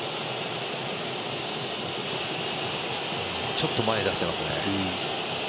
ちょっと前に出していますね。